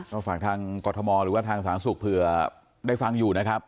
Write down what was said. ก็ฝากทางกรทมหรือว่าทางสาธารณสุขเผื่อได้ฟังอยู่นะครับ